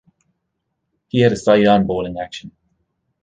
He had a side-on bowling action.